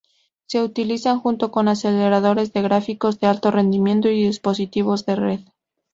Se utilizan junto con aceleradores de gráficos de alto rendimiento y dispositivos de red.